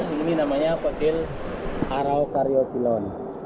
ini namanya fosil araucariopilon